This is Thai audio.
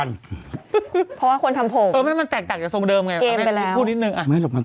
จะกินไหม